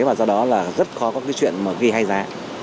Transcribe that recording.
và do đó là rất khó có cái chuyện mà ghi hay giá